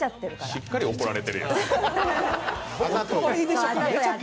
しっかり怒られてるやん。